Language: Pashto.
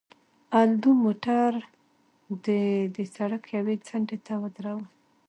الدو، موټر دې د سړک یوې څنډې ته ودروه.